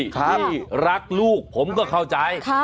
ที่รักลูกผมก็เข้าใจ